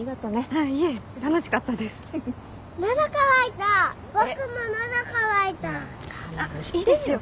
あっいいですよ。